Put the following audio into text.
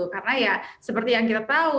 karena seperti yang kita tahu